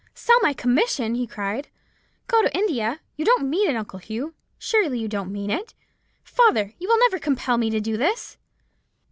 "'Sell my commission!' he cried; 'go to India! You don't mean it, Uncle Hugh; surely you don't mean it. Father, you will never compel me to do this.'